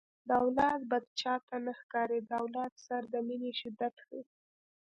د اولاد بد چاته نه ښکاري د اولاد سره د مینې شدت ښيي